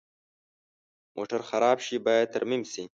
موټر خراب شي، باید ترمیم شي.